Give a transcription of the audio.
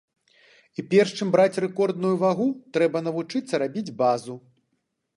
І перш чым браць рэкордную вагу, трэба навучыцца рабіць базу.